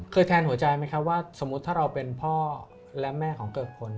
แทนหัวใจไหมครับว่าสมมุติถ้าเราเป็นพ่อและแม่ของเกิกผล